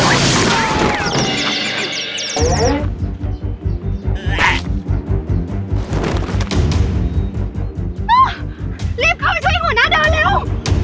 อ้าวรีบเข้าไปช่วยหัวหน้าเดินเร็ว